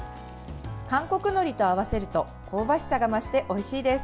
韓国のりと合わせると香ばしさが増しておいしいです。